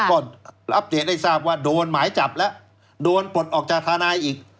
ก็รับเหตุให้ทราบว่าโดนหมายจับแล้วโดนปลดออกจากทนายอีก